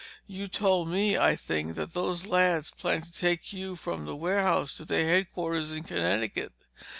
You told me, I think, that those lads planned to take you from the warehouse to their headquarters in Connecticut.